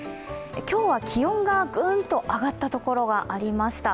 今日は気温がぐーんと上がったところはありました。